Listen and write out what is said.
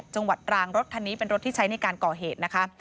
จังหวัดตรางรถคันนี้เป็นรถที่ใช้ในการก่อเหตุนะคะ